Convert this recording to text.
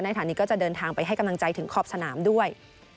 ฐานนี้ก็จะเดินทางไปให้กำลังใจถึงขอบสนามด้วย